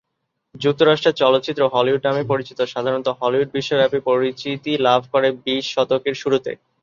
যুক্তরাষ্ট্রের চলচ্চিত্র হলিউড নামেই পরিচিত, সাধারণত হলিউড বিশ্বব্যাপী পরিচিতি লাভ করে বিশ শতকের শুরুতে।